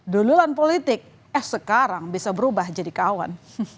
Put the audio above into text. duluan politik eh sekarang bisa berubah jadi kawan